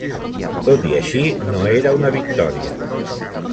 Tot i així, no era una victòria.